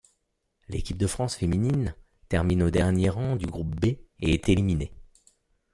L'équipe de France féminine termine au dernier rang du groupe B et est éliminée.